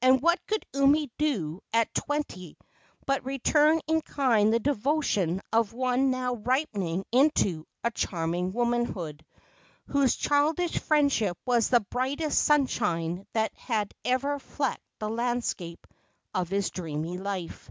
And what could Umi do at twenty but return in kind the devotion of one now ripening into a charming womanhood, whose childish friendship was the brightest sunshine that had ever flecked the landscape of his dreamy life?